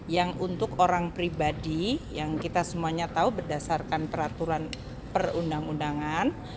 yang untuk orang pribadi yang kita semuanya tahu berdasarkan peraturan perundang undangan